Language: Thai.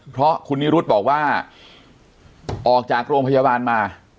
เพราะคุณนิรุธบอกว่าออกจากโรงพยาบาลมา